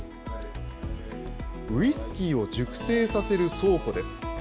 ウイスキーを熟成させる倉庫です。